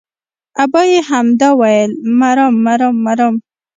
ابا يې همدا ويل مرم مرم مرم.